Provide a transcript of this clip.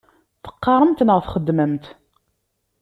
Teqqaṛemt neɣ txeddmemt?